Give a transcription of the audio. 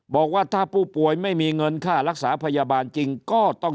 บอกว่าถ้าผู้ป่วยไม่มีเงินค่ารักษาพยาบาลจริงก็ต้อง